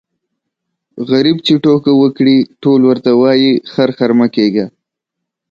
غريب چي ټوکه وکړي ټول ورته وايي خر خر مه کېږه.